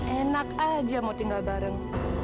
enak aja mau tinggal bareng